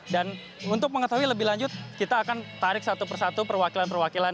dan untuk mengetahui lebih lanjut kita akan tarik satu persatu perwakilan perwakilan